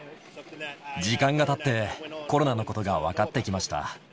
時間がたって、コロナのことが分かってきました。